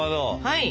はい。